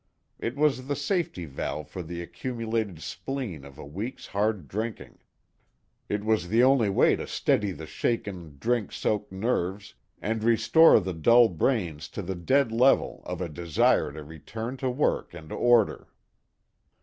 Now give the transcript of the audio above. It was the safety valve for the accumulated spleen of a week's hard drinking. It was the only way to steady the shaken, drink soaked nerves and restore the dull brains to the dead level of a desire to return to work and order.